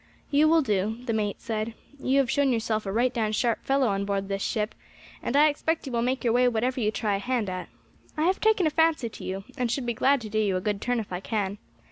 "You will do," the mate said. "You have shown yourself a right down sharp fellow on board this ship, and I expect you will make your way whatever you try a hand at. I have taken a fancy to you, and should be glad to do you a good turn if I can.